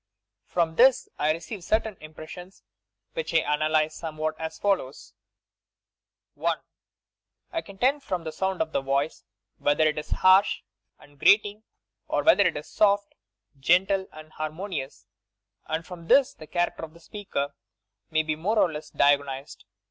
From this I receive certain impressions which I analyse somewhat as follows : "1. I can tell from the sound of the voice whether it is harsh and grating or whether it is soft, gentle and taarmonious, and from this the character of the speaker may be more or less diagnosed.